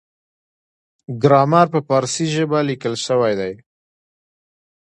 ګرامر په پارسي ژبه لیکل شوی دی.